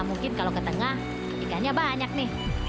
mungkin kalau ke tengah ikannya banyak nih